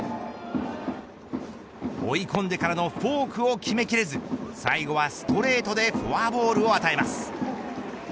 追い込んでからのフォークを決め切れず最後はストレートでフォアボールを与えます。